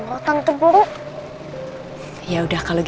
aku akan mencari cherry